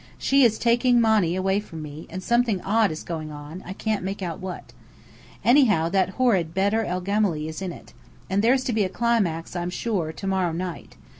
She is taking Monny away from me; and something odd is going on, I can't make out what. Anyhow, that horrid Bedr el Gemály is in it. And there's to be a climax, I'm sure, to morrow night.